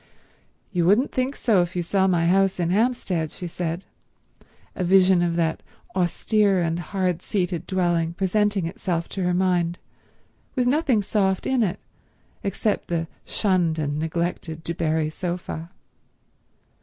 "You wouldn't think so if you saw my house in Hampstead," she said, a vision of that austere and hard seated dwelling presenting itself to her mind, with nothing soft in it except the shunned and neglected Du Barri sofa.